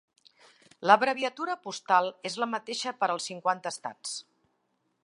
L'abreviatura postal és la mateixa per als cinquanta estats.